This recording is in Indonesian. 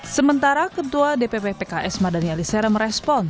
sementara ketua dpp pks mardani alisera merespon